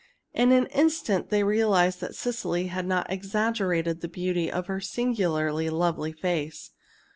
In an instant they realized that Cecily had not exaggerated the beauty of her singularly lovely face.